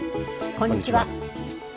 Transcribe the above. こんにちは。